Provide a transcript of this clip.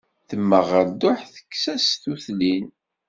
Temmeɣ ɣer dduḥ, tekkes-as tutlin.